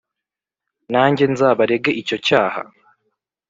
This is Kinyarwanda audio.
nanjye nzabarege icyo cyaha,